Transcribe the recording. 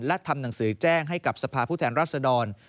และทำหนังสือแจ้งให้กับสภาพผู้แทนรัศดร